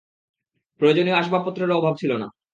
প্রয়োজনীয় আসবাব পত্রেরও অভাব ছিল না।